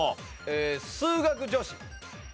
数学女子。